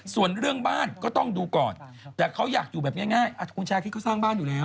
ส่วนเรื่องบ้านก็ต้องดูก่อนแต่เขาอยากอยู่แบบง่ายคุณชาคิดเขาสร้างบ้านอยู่แล้ว